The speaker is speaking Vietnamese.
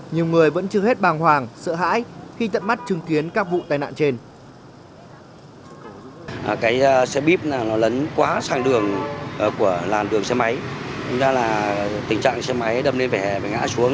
nhiều người vẫn chưa hết bàng hoàng sợ hãi khi tận mắt chứng kiến các vụ tai nạn trên